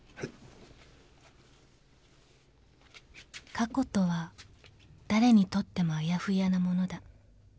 ［過去とは誰にとってもあやふやなものだ］